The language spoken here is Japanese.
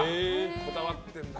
こだわってるんだな。